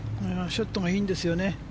ショットがいいんですよね。